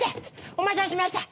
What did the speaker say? お待たせしました。